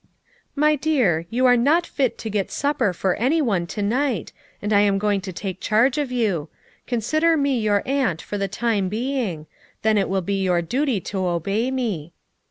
"My dear, you are not fit to get supper for any one to night, and I am going to take charge of you; consider me your aunt for the time being; then it will be your duty to obey me."